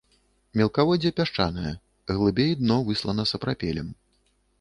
Мелкаводдзе пясчанае, глыбей дно выслана сапрапелем.